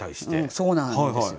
そうなんですよ。